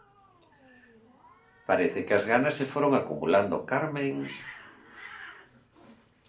Parece que as ganas se foron acumulando, Carmen...